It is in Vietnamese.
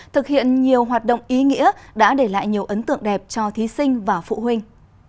thực hiện nhiều hoạt động ý nghĩa đã để lại nhiều ấn tượng đẹp cho thí sinh và phụ huynh